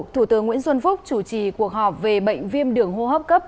thủ tướng nguyễn xuân phúc chủ trì cuộc họp về bệnh viêm đường hô hấp cấp